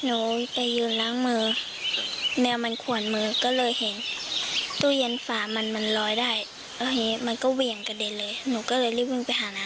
หนูไปยืนล้างมือแมวมันขวนมือก็เลยเห็นตู้เย็นฝามันมันลอยได้แล้วทีนี้มันก็เหวี่ยงกระเด็นเลยหนูก็เลยรีบวิ่งไปหาน้า